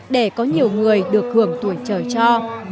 để có nhiều người được hưởng tuổi trời cho